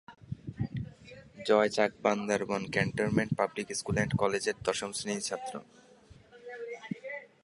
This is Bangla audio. Joy Chak Bandarban cantonment public school and কলেজের দশম শ্রেণির ছাত্র।